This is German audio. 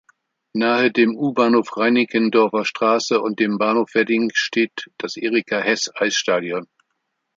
Nahe dem U-Bahnhof Reinickendorfer Straße und dem Bahnhof Wedding steht das Erika-Heß-Eisstadion.